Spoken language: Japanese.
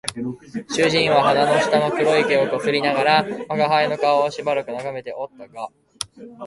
主人は鼻の下の黒い毛を撚りながら吾輩の顔をしばらく眺めておったが、